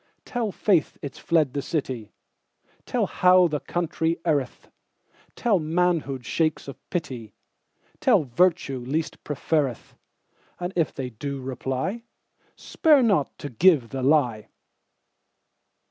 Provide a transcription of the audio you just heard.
Tell faith it's fled the city; Tell how the country erreth; Tell, manhood shakes off pity; Tell, virtue least preferreth:And if they do reply, Spare not to give the lie.